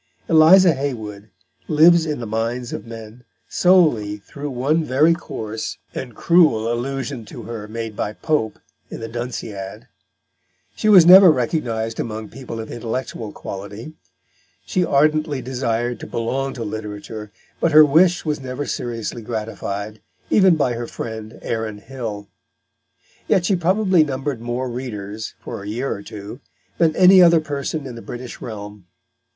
Eliza Haywood lives in the minds of men solely through one very coarse and cruel allusion to her made by Pope in the Dunciad. She was never recognised among people of intellectual quality; she ardently desired to belong to literature, but her wish was never seriously gratified, even by her friend Aaron Hill. Yet she probably numbered more readers, for a year or two, than any other person in the British realm.